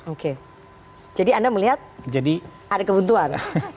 oke jadi anda melihat ada kebutuhan